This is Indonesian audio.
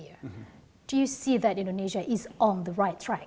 apakah anda melihat indonesia di jalan yang benar sekarang